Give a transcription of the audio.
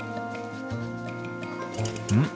うん？